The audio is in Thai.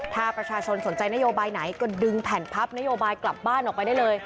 ถ้าประชาชนสนใจนโยบายไหนก็ดึงแผ่นพับนโยบายกลับบ้านออกไปได้เลย